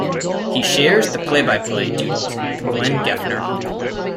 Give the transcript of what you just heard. He shares the play-by-play duties with Glenn Geffner.